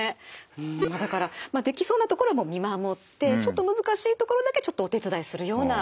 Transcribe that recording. だからできそうなところは見守ってちょっと難しいところだけちょっとお手伝いするような感じですかね。